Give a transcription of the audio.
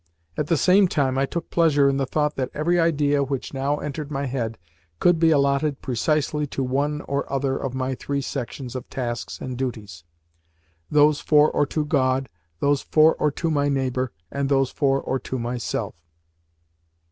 At the same time, I took pleasure in the thought that every idea which now entered my head could be allotted precisely to one or other of my three sections of tasks and duties those for or to God, those for or to my neighbour, and those for or to myself.